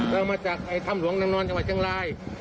เรามาจากถ้ำหลวงนางนอนจังหวัดเชียงราย